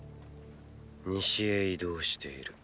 西へ移動している。